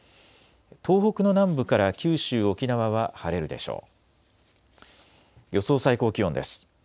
東北の南部から九州、沖縄は晴れるでしょう。